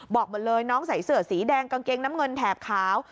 บอกหมดเลยน้องใส่เสื้อสีแดงกางเกงน้ำเงินแถบขาว